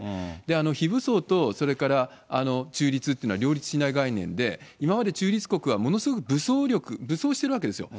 非武装とそれから中立っていうのは、両立しない概念で、今まで中立国は、ものすごく武装してるわけですよ。